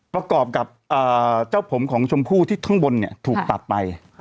ประกอบกับเจ้าผมของชมพู่ที่ข้างบนเนี่ยถูกตัดไป